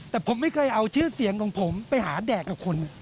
แต่ผมไม่เคยเอาชื่อเสียงของผมไปหาแดกกับคน